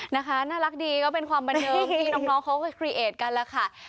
น่ารักดีก็เป็นความบันเทิงที่น้องเขาก็คลีเอทกันแล้วค่ะ